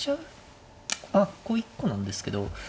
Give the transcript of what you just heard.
あここ一個なんですけど。